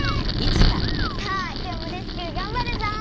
さあ今日もレスキューがんばるぞ！